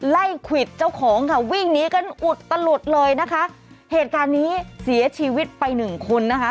ควิดเจ้าของค่ะวิ่งหนีกันอุดตลุดเลยนะคะเหตุการณ์นี้เสียชีวิตไปหนึ่งคนนะคะ